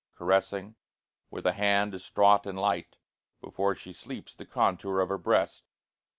Caressing, with a hand distraught and light, Before she sleeps, the contour of her breast.